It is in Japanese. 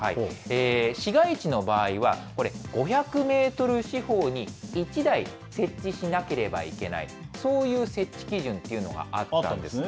市街地の場合はこれ、５００メートル四方に１台設置しなければいけない、そういう設置基準というのがあったんです。